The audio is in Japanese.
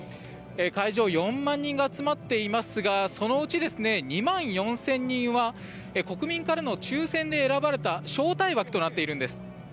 会場、４万人が集まっていますがそのうち２万４０００人は国民からの抽選で選ばれた招待枠となっているんです。